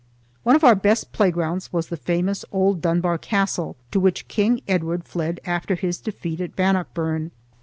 One of our best playgrounds was the famous old Dunbar Castle, to which King Edward fled after his defeat at Bannockburn.